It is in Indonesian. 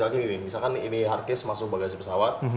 karena kalau rusak misalnya ini hardcase masuk bagasi pesawat